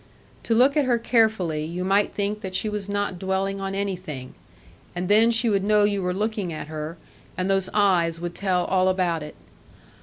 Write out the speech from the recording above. To look at her carefully, you might think that she was not dwelling on anything; and then she would know you were looking at her, and those eyes would tell all about it.